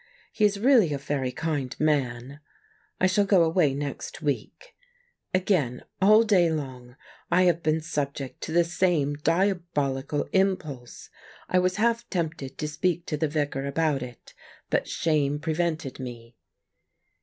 He is really a very kind man. I shall go away next week. Again, all day long, I have been subject to the same diabolical impulse. I was half tempted to speak to the Vicar about it, but shame prevented me.